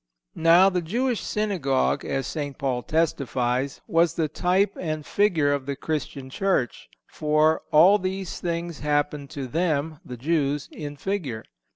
Now the Jewish synagogue, as St. Paul testifies, was the type and figure of the Christian Church; for "all these things happened to them (the Jews) in figure."